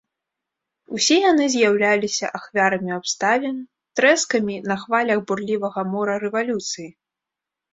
Усе яны з'яўляліся ахвярамі абставін, трэскамі на хвалях бурлівага мора рэвалюцыі.